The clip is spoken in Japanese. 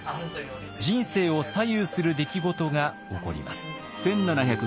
人生を左右する出来事が起こります。